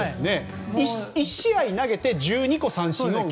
１試合投げて１２個、三振を奪うと。